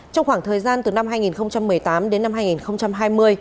trong khoảng thời gian từ năm hai nghìn một mươi tám đến năm hai nghìn hai mươi